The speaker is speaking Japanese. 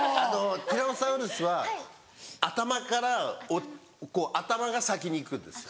ティラノサウルスは頭から頭が先に行くんです。